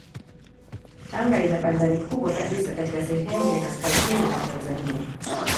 Tanga ina bandari kubwa kabisa katika sehemu ya kaskazini mwa Tanzania.